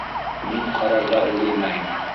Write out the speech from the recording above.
Мин ҡарарға өлгөрмәйем.